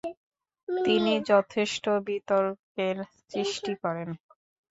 তিনি যথেষ্ট বিতর্কের সৃষ্টি করেন।